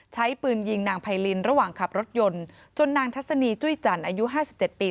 ใช้ปืนยิงนางไพรินระหว่างขับรถยนต์จนนางทัศนีจุ้ยจันทร์อายุห้าสิบเจ็ดปี